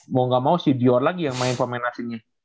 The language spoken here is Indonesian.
mau gak mau senior lagi yang main pemain asingnya